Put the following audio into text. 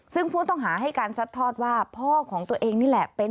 ซึ่งผู้ต้องหาให้การซัดทอดว่าพ่อของตัวเองนี่แหละเป็น